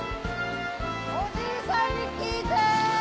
おじいさんに聞いて！